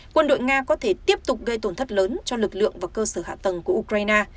quân đội nga có thể tiếp tục gây tổn thất lớn cho lực lượng và cơ sở hạ tầng của ukraine